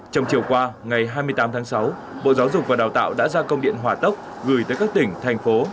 trong chiều qua ngày hai mươi tám tháng sáu bộ giáo dục và đào tạo đã ra công điện hỏa tốc gửi tới các tỉnh thành phố